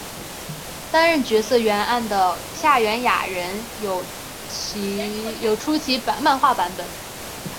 担任角色原案的夏元雅人有出其漫画版本。